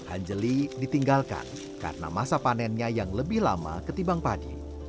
angeli ditinggalkan karena masa panennya yang lebih lama ketimbang padi